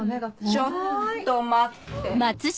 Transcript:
ちょっと待って。